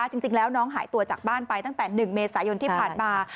จริงแล้วน้องหายตัวจากบ้านไปตั้งแต่๑เมษายนที่ผ่านมา